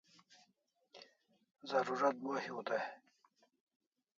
Zarurat bo hiu dai